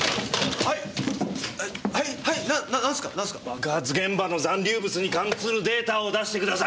爆発現場の残留物に関するデータを出して下さい！